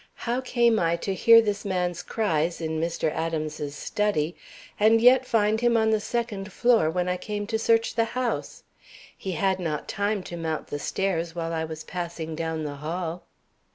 How came I to hear this man's cries in Mr. Adams's study, and yet find him on the second floor when I came to search the house? He had not time to mount the stairs while I was passing down the hall."